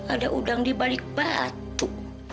ada udang dibalik batu